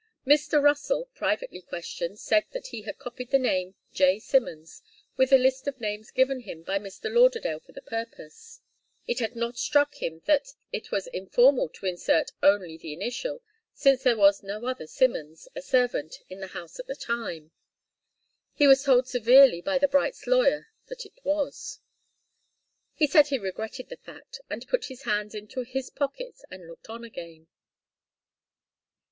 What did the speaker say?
Mr. Russell, privately questioned, said that he had copied the name 'J. Simmons' with a list of names given him by Mr. Lauderdale for the purpose. It had not struck him that it was informal to insert only the initial, since there was no other Simmons, a servant, in the house at the time. He was told severely, by the Brights' lawyer, that it was. He said he regretted the fact, and put his hands into his pockets and looked on again.